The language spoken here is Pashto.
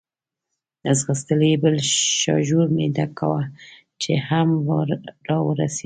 ځغستل یې، بل شاژور مې ډکاوه، چې هم را ورسېد.